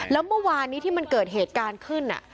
แล้วเมื่อวานนี้ที่มันเกิดเหตุการณ์ขึ้น